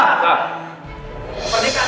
pernikahannya tidak sah